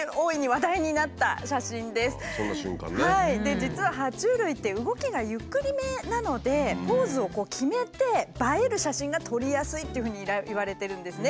実はは虫類って動きがゆっくりめなのでポーズを決めて映える写真が撮りやすいっていうふうにいわれてるんですね。